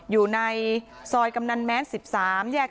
อยู่ในซอยกำนันแม้น๑๓แยก